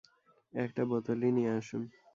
একটা বোতলই নিয়ে আসুন।